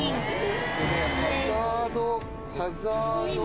ハザードハザード。